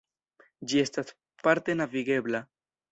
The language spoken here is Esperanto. Ĝi estas parte navigebla.